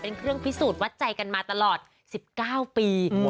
เป็นเครื่องพิสูจน์วัดใจกันมาตลอด๑๙ปี